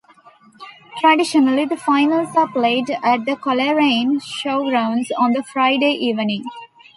Traditionally, the finals are played at the Coleraine Showgrounds on the Friday evening.